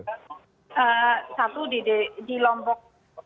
satu di lombok